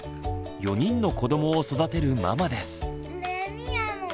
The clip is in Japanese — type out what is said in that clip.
４人の子どもを育てるママです。